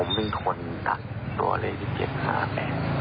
ผมเป็นคนตัดตัวเรคิตหาแอด